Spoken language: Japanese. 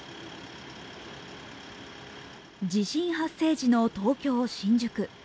地震発生時の東京・新宿。